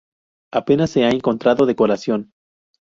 Apenas se ha encontrado decoración.